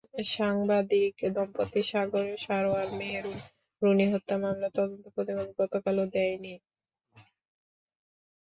সাংবাদিক দম্পতি সাগর সারোয়ার-মেহেরুন রুনি হত্যা মামলার তদন্ত প্রতিবেদন গতকালও দেয়নি র্যাব।